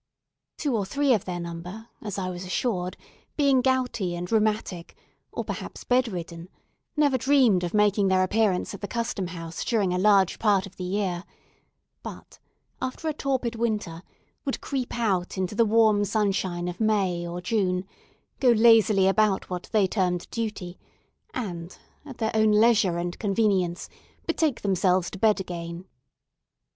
Two or three of their number, as I was assured, being gouty and rheumatic, or perhaps bed ridden, never dreamed of making their appearance at the Custom House during a large part of the year; but, after a torpid winter, would creep out into the warm sunshine of May or June, go lazily about what they termed duty, and, at their own leisure and convenience, betake themselves to bed again.